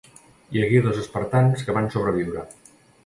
Hi hagué dos espartans que van sobreviure.